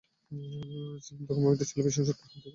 ছিদাম তখন ভাবিতেছিল, ভীষণ সত্যের হাত হইতে কী করিয়া রক্ষা পাইব।